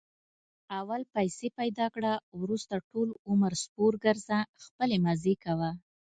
اول پیسې پیدا کړه، ورسته ټول عمر سپورګرځه خپلې مزې کوه.